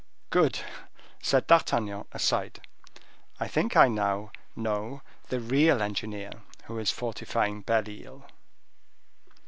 "Good!" said D'Artagnan aside; "I think I now know the real engineer who is fortifying Belle Isle."